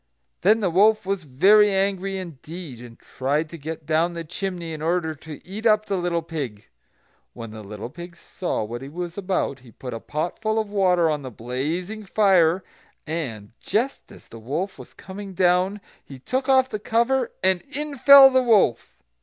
Then the wolf was very angry indeed, and tried to get down the chimney in order to eat up the little pig. When the little pig saw what he was about, he put a pot full of water on the blazing fire, and, just as the wolf was coming down, he took off the cover, and in fell the wolf.